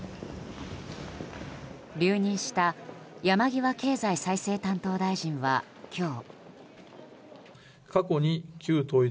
留任した山際経済再生担当大臣は今日。